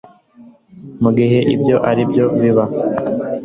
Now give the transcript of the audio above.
mu gihe ibyo byarimo biba